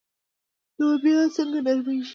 لوبیې څنګه نرمیږي؟